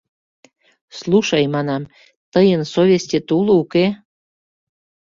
— Слушай, — манам, — тыйын совестьет уло, уке?